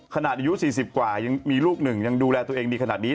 อายุ๔๐กว่ายังมีลูกหนึ่งยังดูแลตัวเองดีขนาดนี้